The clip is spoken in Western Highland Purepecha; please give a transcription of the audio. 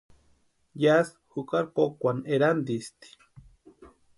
Yási jukari kókwani erantisti.